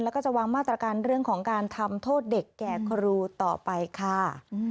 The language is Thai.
แล้วก็จะวางมาตรการเรื่องของการทำโทษเด็กแก่ครูต่อไปค่ะ